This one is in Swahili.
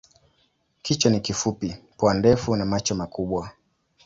Kichwa ni kifupi, pua ndefu na macho makubwa.